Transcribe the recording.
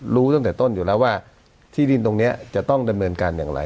รู้ตั้งแต่ต้นอยู่แล้วว่าที่ดินตรงนี้จะต้องดำเนินการอย่างไร